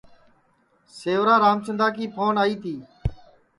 سیورا رامچندا کی پھون آئی تی